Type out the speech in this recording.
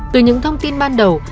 từ những thông tin ban đầu